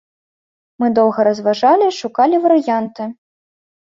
Мы доўга разважалі, шукалі варыянты.